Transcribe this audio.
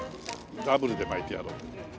ダブルで巻いてやろう。